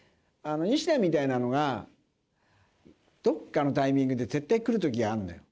ニシダみたいなのがどこかのタイミングで絶対来る時があるのよ。